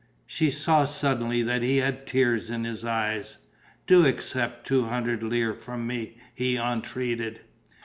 She saw suddenly that he had tears in his eyes. "Do accept two hundred lire from me!" he entreated.